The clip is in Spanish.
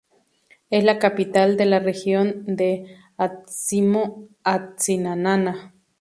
Es la capital de la región de Atsimo-Atsinanana.